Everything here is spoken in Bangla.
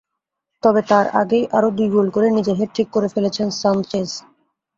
তবে তার আগেই আরও দুই গোল করে নিজের হ্যাটট্রিক করে ফেলেছেন সানচেজ।